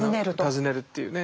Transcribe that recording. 尋ねるっていうね。